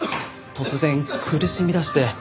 突然苦しみだして。